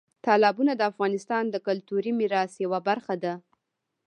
تالابونه د افغانستان د کلتوري میراث یوه برخه ده.